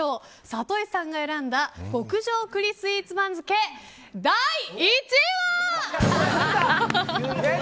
里井さんが選んだ極上栗スイーツ番付、第１位は。